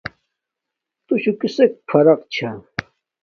تو شو کی کس فقر چھا؟